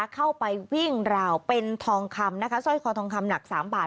เข้าไปวิ่งราวเป็นทองคำนะคะสร้อยคอทองคำหนัก๓บาท